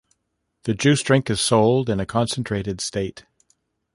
The juice drink is sold in a concentrated state.